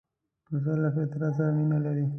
پسه له فطرت سره مینه لري.